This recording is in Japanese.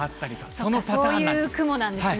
そういう雲なんですね。